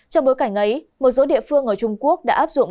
trong bối cảnh ấy một số địa phương ở trung quốc đã áp dụng